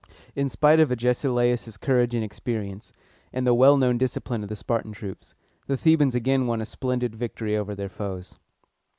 In spite of Agesilaus' courage and experience, and the well known discipline of the Spartan troops, the Thebans again won a splendid victory over their foes.